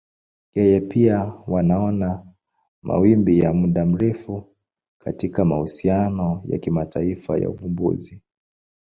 Yeye pia wanaona mawimbi ya muda mrefu katika mahusiano ya kimataifa ya uvumbuzi.